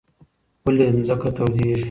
ولې ځمکه تودېږي؟